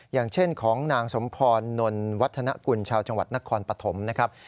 อย่างเช่นของนางสมพรนนวัฒนกุลชาวจังหวัดนครปฐมนะครับ